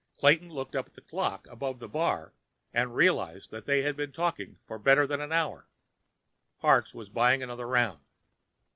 Clayton looked up at the clock above the bar and realized that they had been talking for better than an hour. Parks was buying another round.